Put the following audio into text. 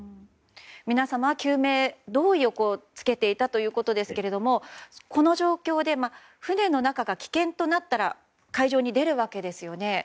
皆様、救命胴衣を着けていたということですけれどもこの状況で船の中が危険となったら海上に出るわけですよね。